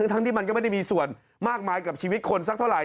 ทั้งที่มันก็ไม่ได้มีส่วนมากมายกับชีวิตคนสักเท่าไห